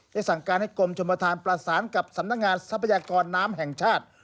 สั่งการให้กรมชมประธานประสานกับสำนักงานทรัพยากรน้ำแห่งชาติ